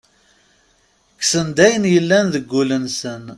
Kksen-d ayen yellan deg ul-nsen.